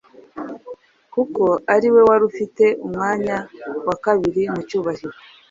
kuko ari we wari ufite umwanya wa kabiri mu cyubahiro